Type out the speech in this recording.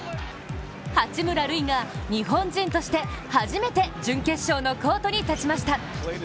八村塁が日本人として初めて準決勝のコートに立ちました。